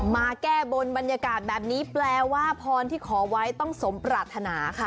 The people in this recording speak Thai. มาแก้บนบรรยากาศแบบนี้แปลว่าพรที่ขอไว้ต้องสมปรารถนาค่ะ